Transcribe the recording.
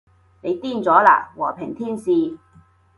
你癲咗喇，和平天使